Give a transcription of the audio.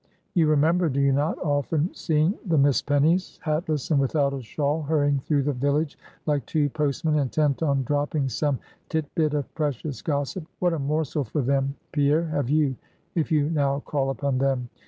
You remember, do you not, often seeing the Miss Pennies, hatless and without a shawl, hurrying through the village, like two postmen intent on dropping some tit bit of precious gossip? What a morsel for them, Pierre, have you, if you now call upon them.